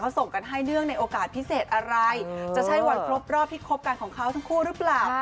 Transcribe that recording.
ส่งกันให้เนื่องในโอกาสพิเศษอะไรจะใช่วันครบรอบที่คบกันของเขาทั้งคู่หรือเปล่า